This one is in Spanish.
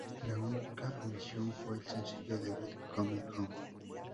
La única omisión fue el sencillo debut Come Home.